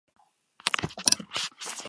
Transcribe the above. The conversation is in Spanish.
Además está el fútbol femenino.